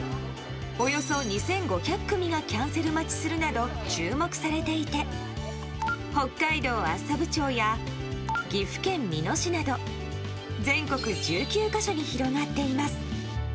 およそ２５００組がキャンセル待ちするなど注目されていて北海道厚沢部町や岐阜県美濃市など全国１９か所に広がっています。